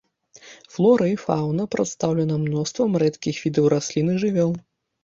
Флора і фаўна прадстаўлена мноствам рэдкіх відаў раслін і жывёл.